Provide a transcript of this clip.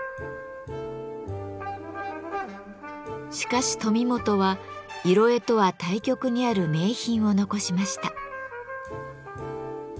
しかし富本は色絵とは対極にある名品を残しました。